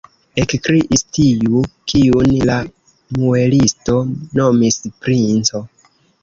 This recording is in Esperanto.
ekkriis tiu, kiun la muelisto nomis princo.